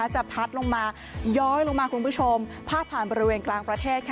จะพัดลงมาย้อยลงมาคุณผู้ชมพาดผ่านบริเวณกลางประเทศ